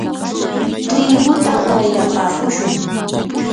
triguta wayrapakushun.